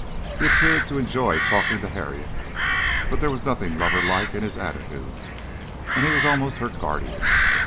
He appeared to enjoy talking to Harriet, but there was nothing lover like in his attitude, and he was almost her guardian.